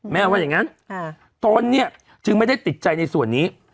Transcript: ว่าอย่างนั้นตนเนี่ยจึงไม่ได้ติดใจในส่วนนี้